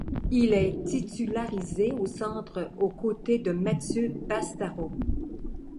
Il est titularisé au centre au côté de Mathieu Bastareaud.